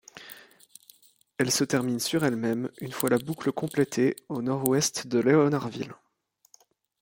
Elle se termine sur elle-même, une fois le boucle complétée, au nord-ouest de Leonardville.